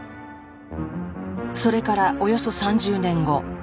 それからおよそ３０年後。